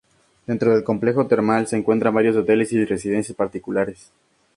Dentro del complejo termal, se encuentran varios hoteles y residencias particulares.